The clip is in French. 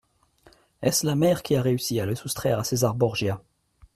Est-ce la mère qui a réussi à le soustraire à César Borgia ?